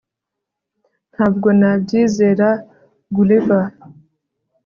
Ntabwo nabyizera Gulliver